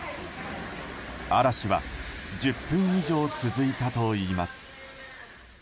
嵐は１０分以上続いたといいます。